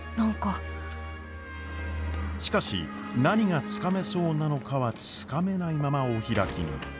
しかし何がつかめそうなのかはつかめないままお開きに。